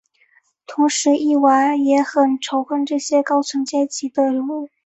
同时伊娃也很仇恨这些高层阶级的人物。